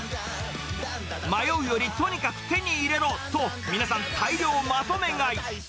迷うよりとにかく手に入れろと、皆さん、大量まとめ買い。